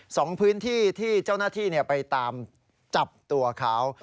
สองพื้นที่ที่เจ้าหน้าที่ไปตามจับตัวเขา